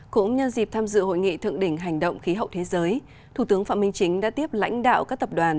cũng nhân dịp tham dự hội nghị thượng đỉnh hành động khí hậu thế giới thủ tướng phạm minh chính đã tiếp lãnh đạo các tập đoàn